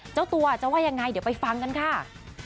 เจ้าตัวจะว่ายังไงเดี๋ยวไปฟังกันค่ะ